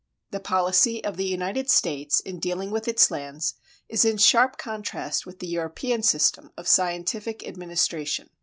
The policy of the United States in dealing with its lands is in sharp contrast with the European system of scientific administration.